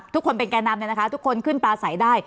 ทุกคนเป็นแก่นำเนี่ยนะคะทุกคนขึ้นปลาใสได้